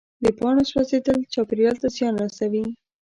د پاڼو سوځېدل چاپېریال ته زیان رسوي.